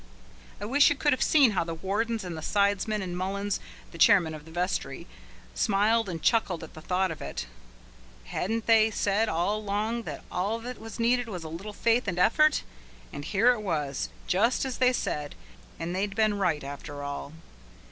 I wish you could have seen how the wardens and the sidesmen and Mullins, the chairman of the vestry, smiled and chuckled at the thought of it. Hadn't they said all along that all that was needed was a little faith and effort? And here it was, just as they said, and they'd been right after all.